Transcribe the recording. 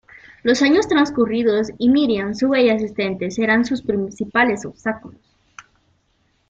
Los años transcurridos y Miriam, su bella asistente, serán sus principales obstáculos.